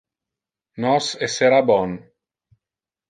Nos essera bon.